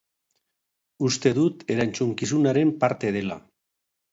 Uste dut erantzukizunaren parte dela.